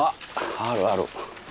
あるある。